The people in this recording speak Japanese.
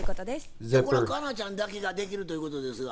これは佳奈ちゃんだけができるということですが？